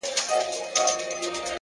دا شی په گلونو کي راونغاړه _